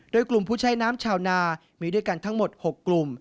โดยกลุ่มผู้ใช้น้ำชาวนามีด้วยกันทั้งหมด๖กลุ่ม